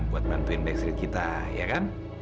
buat bantuin baksit kita ya kan